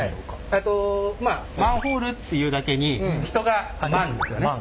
えっとまあマンホールっていうだけに人がマンですよね。